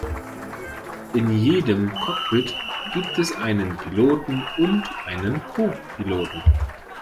In jedem Cockpit gibt es einen Piloten und einen Co-Piloten